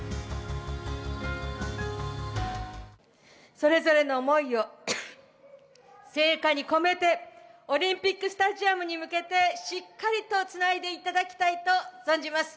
それぞれの思いを、聖火に込めて、オリンピックスタジアムに向けて、しっかりとつないでいただきたいと存じます。